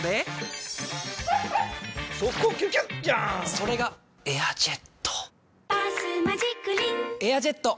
それが「エアジェット」「バスマジックリン」「エアジェット」！